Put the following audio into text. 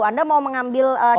anda mau mengambil contoh